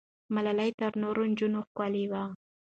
ملالۍ تر نورو نجونو ښکلې وه.